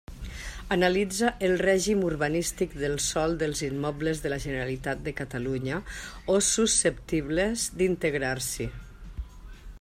Analitza el règim urbanístic del sòl dels immobles de la Generalitat de Catalunya o susceptibles d'integrar-s'hi.